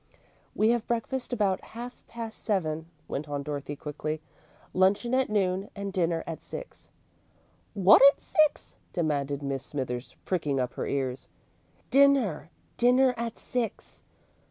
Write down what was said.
"We have breakfast about half past seven," went on Dorothy, quickly; "luncheon at noon and dinner at six." "Wot at six?" demanded Mrs. Smithers, pricking up her ears. "Dinner! Dinner at six."